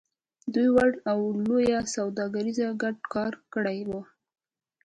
دوی وړو او لويو سوداګرو ګډ کار کړی و.